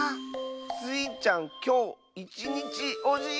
スイちゃんきょういちにちおじいさんなんだ！